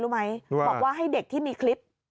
รู้ไหมบอกว่าให้เด็กที่มีคลิป